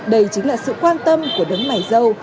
đây chính là sự quan tâm của đứng mảnh dâu